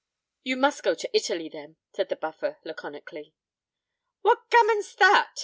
"You must go to Italy, then," said the Buffer laconically. "What gammon's that?"